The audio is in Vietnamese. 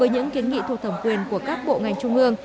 với những kiến nghị thu thầm quyền của các bộ ngành trung ương